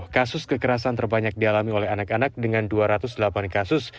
kasus kekerasan terbanyak dialami oleh anak anak dengan dua ratus delapan kasus